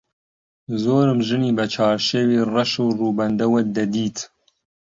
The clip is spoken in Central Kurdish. زۆرم ژنی بە چارشێوی ڕەش و ڕووبەندەوە دەدیت